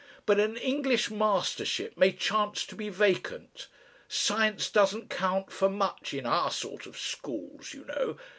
"But an English mastership may chance to be vacant. Science doesn't count for much in our sort of schools, you know.